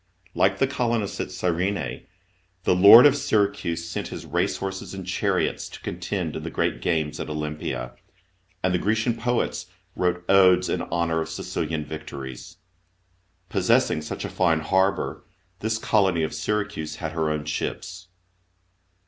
Like the colonists at Gyrene, the "lord" of Syracuse sent his racehorses and chariots to contend in the great games at Olympia, and the Grecian poets wrote odes in honour of Sicilian victories. Possessing such a fine harbour, this colony of Syracuse had her own ships.